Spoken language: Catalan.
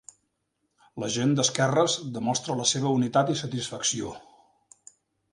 La gent d'esquerres demostra la seva unitat i satisfacció.